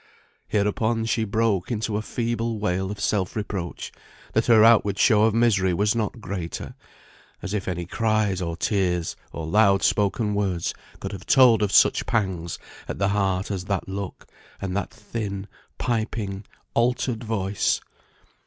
Hereupon she broke into a feeble wail of self reproach, that her outward show of misery was not greater; as if any cries, or tears, or loud spoken words could have told of such pangs at the heart as that look, and that thin, piping, altered voice!